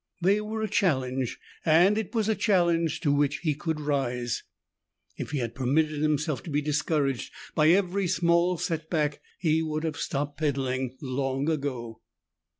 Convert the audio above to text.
They were a challenge, and it was a challenge to which he could rise. If he had permitted himself to be discouraged by every small setback, he would have stopped peddling long ago.